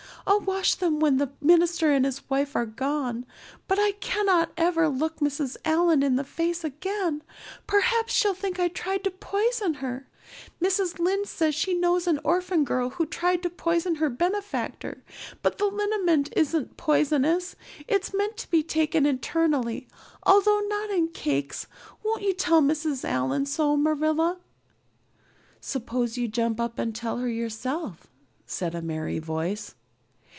I'll wash them when the minister and his wife are gone, but I cannot ever look Mrs. Allan in the face again. Perhaps she'll think I tried to poison her. Mrs. Lynde says she knows an orphan girl who tried to poison her benefactor. But the liniment isn't poisonous. It's meant to be taken internally although not in cakes. Won't you tell Mrs. Allan so, Marilla?" "Suppose you jump up and tell her so yourself," said a merry voice.